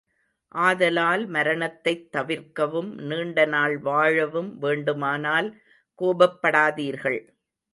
ஆதலால் மரணத்தைத் தவிர்க்கவும், நீண்டநாள் வாழவும் வேண்டுமானால் கோபப்படாதீர்கள்!